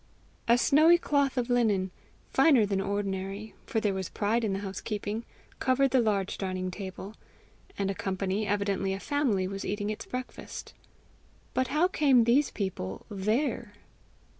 A snowy cloth of linen, finer than ordinary, for there was pride in the housekeeping, covered the large dining table, and a company, evidently a family, was eating its breakfast. But how come these people THERE?